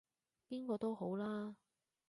邊個都好啦